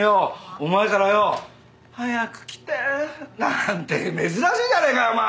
お前からよ「早く来て」なんて珍しいじゃねえかよお前。